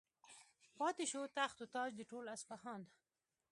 پاتې شو تخت و تاج د ټول اصفهان.